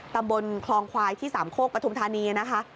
ตำบลคลองควายที่สามโคกปฐุมธานีนะคะ